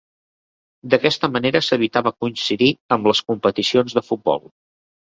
D'aquesta manera s'evitava coincidir amb les competicions de futbol.